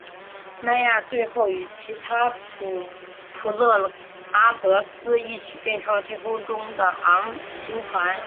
迈亚最后与其他普勒阿得斯一起变成了天空中的昴星团。